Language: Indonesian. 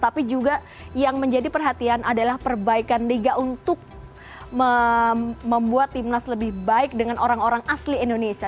tapi juga yang menjadi perhatian adalah perbaikan liga untuk membuat timnas lebih baik dengan orang orang asli indonesia